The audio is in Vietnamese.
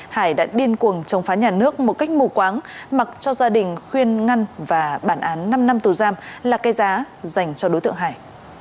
hải đã điên cuồng chống phá nhà nước một cách mù quáng mặc cho gia đình khuyên ngăn và bản án năm năm tù giam là cây giá dành cho đối tượng hải